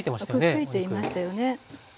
くっついていましたよね。